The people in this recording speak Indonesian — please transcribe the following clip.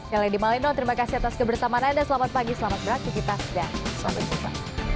saya lady malino terima kasih atas keberertaman anda selamat pagi selamat beraktifitas dan selamat berjumpa